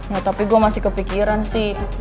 ya tapi gue masih kepikiran sih